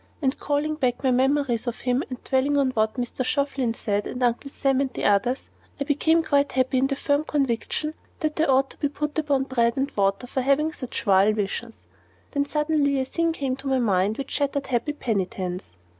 And calling back my memories of him, and dwelling on what Mr. Shovelin said, and Uncle Sam and others, I became quite happy in the firm conviction that I ought to be put upon bread and water for having such vile visions. Then suddenly a thing came to my mind which shattered happy penitence.